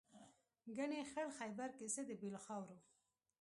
ګنې خړ خیبر کې څه دي بې له خاورو.